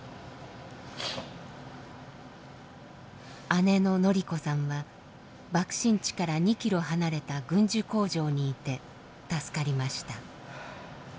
姉の子さんは爆心地から２ｋｍ離れた軍需工場にいて助かりました。